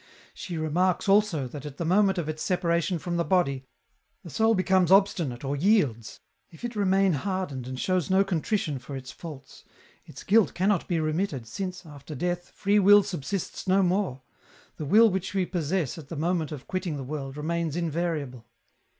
" She remarks also, that at the moment of its separation from the body, the soul becomes obstinate or yields ; if it remain hardened and shows no contrition for its faults, its guilt cannot be remitted, since, after death, free will subsists no more ; the will which we possess at the moment of quitting the world remains invariable.